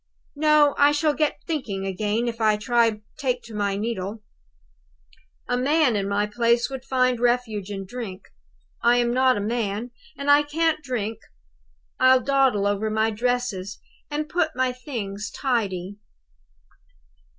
No; I shall get thinking again if I take to my needle. A man, in my place, would find refuge in drink. I'm not a man, and I can't drink. I'll dawdle over my dresses, and put my things tidy."